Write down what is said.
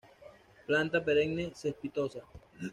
Planta perenne cespitosa.